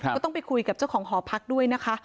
ก็ต้องไปคุยกับเจ้าของหอพักด้วยนะคะ